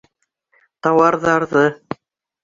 Тауарҙарҙы...